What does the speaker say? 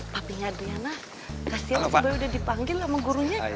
papinya adriana kasihan coba udah dipanggil sama gurunya